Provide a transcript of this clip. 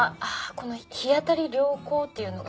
この「日当たり良好」っていうのが。